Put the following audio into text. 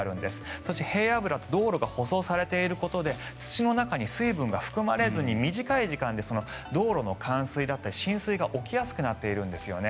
そして、平野部だと道路が舗装されていることで土の中に水分が含まれずに短い時間で道路の冠水だったり浸水が起きやすくなっているんですよね。